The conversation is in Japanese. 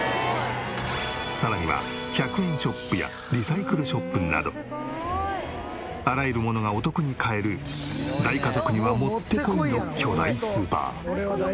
さらには１００円ショップやリサイクルショップなどあらゆるものがお得に買える大家族にはもってこいの巨大スーパー。